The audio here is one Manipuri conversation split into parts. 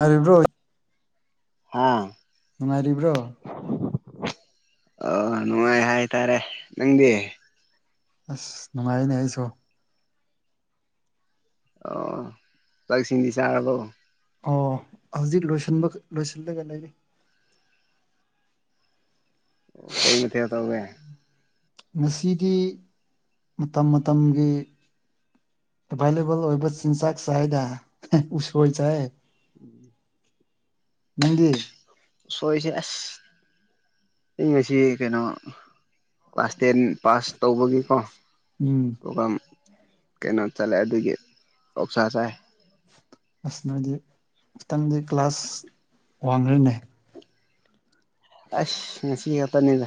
[unintelligible] ꯔꯤꯕ꯭ꯔꯣ꯫ ꯍꯥꯥ꯫ ꯅꯨꯡꯉꯥꯏꯔꯤꯕ꯭ꯔꯣ꯫ ꯑ ꯅꯨꯡꯉꯥꯏ ꯍꯥꯏꯇꯥꯔꯦ ꯅꯪꯗꯤ꯫ ꯑꯁ ꯅꯨꯡꯉꯥꯏꯌꯦꯅꯦ ꯑꯩꯁꯨ꯫ ꯑꯣ ꯆꯥꯛ ꯏꯁꯤꯡꯗꯤ ꯆꯥꯔꯕꯣ꯫ ꯑꯣ ꯍꯧꯖꯤꯛ ꯂꯣꯏꯁꯤꯟꯕ ꯂꯣꯏꯁꯤꯜꯂꯒ ꯂꯩꯔꯤ꯫ ꯑꯣ ꯀꯩ ꯃꯊꯦꯜ ꯇꯧꯋꯦ꯫ ꯉꯁꯤꯗꯤ ꯃꯇꯝ ꯃꯇꯝꯒꯤ ꯑꯦꯚꯥꯏꯂꯦꯕꯜ ꯑꯣꯏꯕ ꯆꯤꯟꯖꯥꯛ ꯆꯥꯏꯗ ꯍꯦ ꯎꯁꯣꯏ ꯆꯥꯏ꯫ [inaudible] ꯅꯪꯗꯤ꯫ ꯎꯁꯣꯏꯁꯦ ꯑꯁ ꯑꯩ ꯉꯁꯤ ꯀꯩꯅꯣ ꯀ꯭ꯂꯥꯁ ꯇꯦꯟ ꯄꯥꯁ ꯇꯧꯕꯒꯤꯀꯣ ꯎꯝ꯫ ꯄ꯭ꯔꯣꯒꯥꯝ ꯀꯩꯅꯣ ꯆꯠꯂꯦ ꯑꯗꯨꯒꯤ ꯑꯣꯛꯁꯥ ꯆꯥꯏ꯫ ꯑꯁ ꯅꯣꯏꯗꯤ ꯈꯤꯇꯪꯗꯤ ꯀ꯭ꯂꯥꯁ ꯋꯥꯡꯈ꯭ꯔꯅꯦ꯫ ꯑꯁ ꯉꯁꯤ ꯈꯥꯛꯇꯅꯤꯗ꯫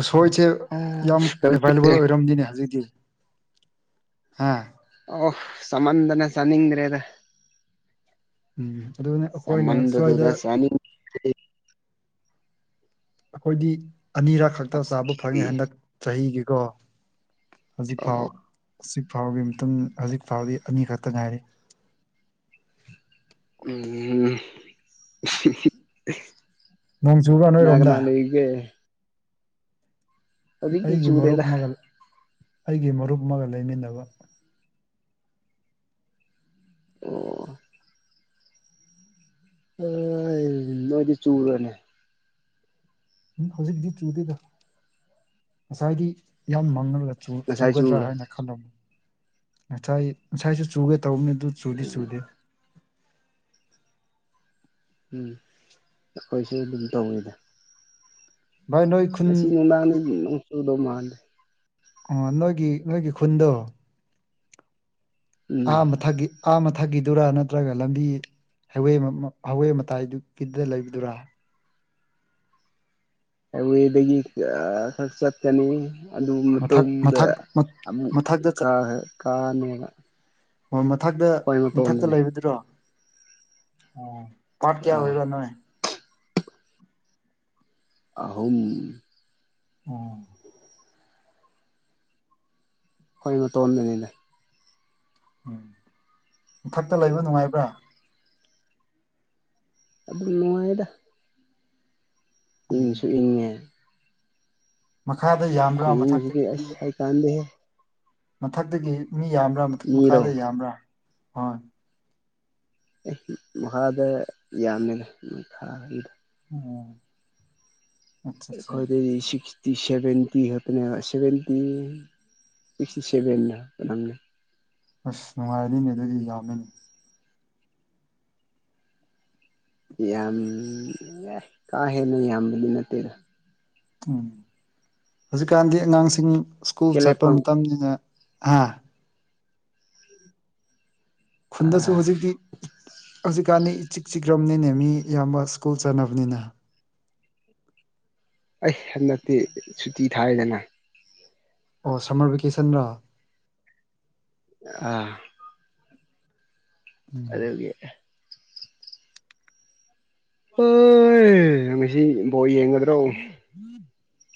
ꯎꯁꯣꯏꯁꯦ ꯌꯥꯝ ꯇꯧꯔꯤꯁꯦ ꯑꯦꯕꯥꯏꯂꯦꯕꯜ ꯑꯣꯏꯔꯝꯅꯤꯅꯦ ꯍꯧꯖꯤꯛꯇꯤ꯫ ꯍꯥꯥ꯫ ꯑꯣ ꯆꯥꯃꯟꯗꯅ ꯆꯥꯅꯤꯡꯗ꯭ꯔꯦꯗ꯫ ꯎꯝ ꯑꯗꯨꯅꯦ ꯑꯩꯈꯣꯏꯅ ꯆꯃꯟꯕꯗꯨꯗ ꯁ꯭ꯋꯥꯏꯗ ꯆꯥꯅꯤꯡꯗ꯭ꯔꯦ ꯑꯩꯈꯣꯏꯗꯤ ꯑꯅꯤꯔꯛ ꯈꯛꯇ ꯆꯥꯕ ꯐꯪꯉꯦ ꯍꯟꯗꯛ ꯆꯍꯤꯒꯤꯀꯣ꯫ ꯍꯧꯖꯤꯛ ꯐꯥꯎ ꯑꯣ ꯍꯧꯖꯤꯛ ꯐꯥꯎꯒꯤ ꯃꯇꯨꯡ ꯍꯧꯖꯤꯛ ꯐꯥꯎꯗꯤ ꯑꯅꯤꯈꯛꯇ ꯉꯥꯏꯔꯤ꯫ ꯎꯝ ꯅꯣꯡ ꯆꯨꯕ꯭ꯔꯥ ꯀꯅꯥ ꯅꯣꯏꯔꯣꯝꯗ ꯀꯅꯥ ꯂꯩ ꯒꯦ꯫ ꯍꯧꯖꯤꯛꯇꯤ ꯑꯩꯒꯤ ꯃꯔꯨꯞ ꯆꯨꯗꯦꯗ ꯑꯃꯒ ꯑꯩꯒꯤ ꯃꯔꯨꯞ ꯑꯃꯒ ꯂꯩꯃꯤꯟꯅꯕ꯫ ꯑꯣ ꯑꯥꯏ ꯅꯣꯏꯗꯤ ꯆꯨꯕ꯭ꯔꯅꯦ꯫ ꯎꯪ ꯍꯧꯖꯤꯛꯇꯤ ꯆꯨꯗꯦꯗ ꯉꯁꯥꯏꯗꯤ ꯌꯥꯝ ꯃꯥꯡꯉꯔꯒ ꯆꯨ ꯉꯁꯥꯏ ꯆꯨꯒꯗ꯭ꯔꯥ ꯆꯨꯕ꯭ꯔꯥ ꯍꯥꯏꯅ ꯈꯜꯂꯝ ꯉꯁꯥꯏ ꯉꯁꯥꯏꯁꯨ ꯆꯨꯒꯦ ꯇꯧꯕꯅꯦ ꯑꯗꯨ ꯆꯨꯗꯤ ꯎꯝ ꯆꯨꯗꯦ꯫ ꯎꯝ ꯑꯩꯈꯣꯏꯁꯨ ꯑꯗꯨꯝ ꯇꯧꯋꯤꯗ꯫ ꯚꯥꯏ ꯅꯣꯏ ꯈꯨꯟ ꯉꯁꯤ ꯅꯨꯡꯗꯥꯡꯗꯗꯤ ꯅꯣꯡ ꯆꯨꯗꯧ ꯃꯥꯟꯗꯦ꯫ ꯑꯣ ꯅꯣꯏꯒꯤ ꯅꯣꯏꯒꯤ ꯈꯨꯟꯗꯣ ꯎꯝ ꯑꯥ ꯃꯊꯛꯒꯤ ꯑꯥ ꯃꯊꯛꯒꯤꯗꯨꯔꯥ ꯅꯠꯇ꯭ꯔꯒ ꯂꯝꯕꯤ ꯍꯥꯏꯋꯦ ꯃꯞ ꯃꯞ ꯍꯥꯋꯦ ꯃꯇꯥꯏꯗꯨꯒꯤꯗ ꯂꯩꯕꯗꯨꯔꯥ ꯍꯥꯏꯋꯦꯗꯒꯤ ꯑ ꯈꯔ ꯆꯠꯀꯅꯤ ꯑꯗꯨ ꯃꯊꯛ ꯃꯇꯨꯡꯗ ꯃꯊꯛ ꯑꯃꯨꯛ ꯃꯊꯛꯇ ꯆꯠ ꯀ ꯀꯥꯅꯦꯕ ꯑꯣ ꯃꯊꯛꯗ ꯑꯩꯈꯣꯏ ꯃꯊꯛꯇ ꯃꯇꯣꯟꯗꯅꯦ ꯂꯩꯕꯗꯨꯔꯣ ꯑꯣ ꯄꯥꯠ ꯀꯌꯥ ꯑꯥ ꯑꯣꯏꯕꯔꯥ ꯅꯣꯏ ꯑꯍꯨꯝ ꯑꯣ ꯈꯣꯏ ꯃꯇꯣꯟꯗꯅꯤꯗ ꯎꯝ ꯃꯊꯛꯇ ꯂꯩꯕ ꯅꯨꯉꯥꯏꯕ꯭ꯔꯥ ꯑꯗꯨꯝ ꯅꯨꯉꯥꯌꯦꯗꯥ ꯎꯝ ꯏꯪꯁꯨ ꯏꯪꯉꯦ ꯃꯈꯥꯗ ꯌꯥꯝꯕ꯭ꯔꯥ ꯃꯊꯛꯇ [unintelligible] ꯀꯥꯟꯗꯦꯍꯦ ꯃꯊꯛꯗꯒꯤ ꯃꯤ ꯌꯥꯝꯕ꯭ꯔꯥ ꯃꯊꯛ ꯃꯤꯔꯣ ꯃꯈꯥꯗ ꯌꯥꯝꯕ꯭ꯔꯥ ꯍꯣꯏ ꯑꯦ ꯃꯈꯥꯗ ꯌꯥꯝꯃꯦꯗ ꯃꯈꯥꯒꯤꯗ ꯑꯣ ꯑꯠꯆꯥ ꯑꯠꯆꯥ ꯑꯩꯈꯣꯏꯗꯩ ꯁꯤꯛꯁ ꯇꯤ ꯁꯦꯚꯦꯟꯇꯤ ꯈꯇꯅꯦꯕ ꯁꯦꯚꯦꯟꯇꯤ ꯁꯤꯛꯁꯇꯤ ꯁꯦꯚꯦꯟ ꯔ [unintelligible] ꯑꯁ ꯅꯨꯉꯥꯏꯅꯤꯅꯦ ꯗꯨꯗꯤ ꯌꯥꯝꯃꯦꯅꯦ ꯌꯥꯝ ꯌꯦ ꯀꯥ ꯍꯦꯟꯅ ꯌꯥꯝꯕꯗꯤ ꯅꯠꯇꯦꯗ ꯎꯝ ꯍꯨꯖꯤꯛꯀꯥꯟꯒꯤ ꯑꯉꯥꯡꯁꯤꯡ ꯁ꯭ꯀꯨꯜ ꯆꯠꯄ ꯀꯦꯂꯦꯐꯝ ꯃꯇꯝꯅꯤꯅ ꯍꯥ ꯈꯨꯟꯗꯁꯨ ꯑꯥ ꯍꯨꯖꯤꯛꯇꯤ ꯍꯧꯖꯤꯛꯀꯥꯟꯗꯤ ꯏꯆꯤꯛ ꯆꯤꯛꯔꯝꯅꯤꯅꯦ ꯃꯤ ꯏꯌꯥꯝꯕ ꯁ꯭ꯀꯨꯜ ꯆꯠꯅꯕꯅꯤꯅ ꯑꯩ ꯍꯟꯗꯛꯇꯤ ꯁꯨꯇꯤ ꯊꯥꯏꯗꯅ ꯑꯣ ꯁꯝꯃꯔ ꯚꯦꯀꯦꯁꯟꯔ ꯑꯥ ꯎꯝ ꯑꯗꯨꯒꯤ ꯑꯣꯏ ꯉꯁꯤ ꯕꯣꯜ ꯌꯦꯡꯉꯗ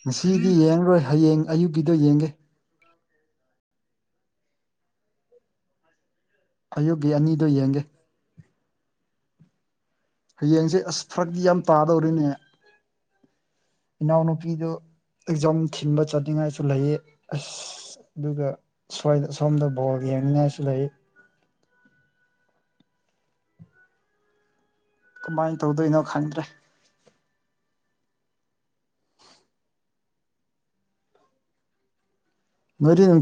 ꯉꯁꯤꯗꯤ ꯌꯦꯡꯔꯣꯏ ꯍꯌꯦꯡ ꯑꯌꯨꯛꯒꯤꯗꯣ ꯌꯦꯡꯒꯦ ꯑꯌꯨꯛꯒꯤ ꯑꯅꯤꯗꯨ ꯌꯦꯡꯒꯦ ꯍꯌꯦꯡꯁꯦ ꯑꯁ ꯐꯔꯛꯗꯤ ꯌꯥꯝ ꯇꯥꯗꯧꯔꯤꯅꯦ ꯏꯅꯥꯎꯅꯨꯄꯤꯗꯨ ꯑꯦꯛꯖꯥꯝ ꯊꯤꯟꯕ ꯆꯠꯅꯤꯉꯥꯏꯁꯨ ꯂꯩꯌꯦ ꯑꯁ ꯑꯁ ꯑꯗꯨꯒ ꯁꯋ꯭ꯥꯏꯗ ꯁꯣꯝꯗ ꯕꯣꯜ ꯌꯦꯡꯅꯤꯉꯥꯏꯁꯨ ꯂꯩ ꯀꯃꯥꯏ ꯇꯧꯗꯣꯏꯅꯣ ꯈꯪꯗ꯭ꯔꯦ [unintelligible]